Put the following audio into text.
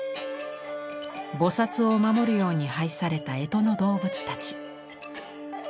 菩を守るように配された干支の動物たち。